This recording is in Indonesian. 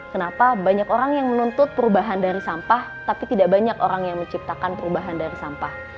kenapa banyak orang yang menuntut perubahan dari sampah tapi tidak banyak orang yang menciptakan perubahan dari sampah